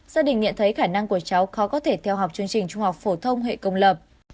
gia đình nhận thấy khả năng của cháu khó có thể theo học chương trình trung học phổ thông hệ công lập